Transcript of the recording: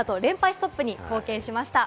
ストップに貢献しました。